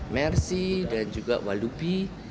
mersi dan juga walubi